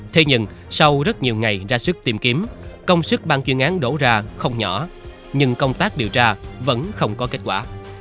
thế nhưng sau rất nhiều ngày ra sức tìm kiếm công sức bang chuyên án đổ ra không nhỏ nhưng công tác điều tra vẫn không có kết quả